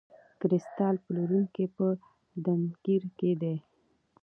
کریستال پلورونکی په تنګیر کې دی.